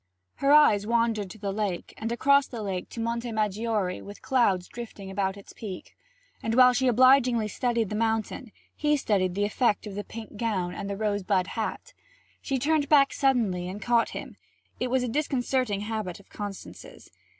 Her eyes wandered to the lake, and across the lake to Monte Maggiore with clouds drifting about its peak. And while she obligingly studied the mountain, he studied the effect of the pink gown and the rose bud hat. She turned back suddenly and caught him; it was a disconcerting habit of Constance's.